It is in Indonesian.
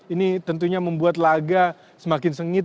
ini tentunya membuat laga semakin sengit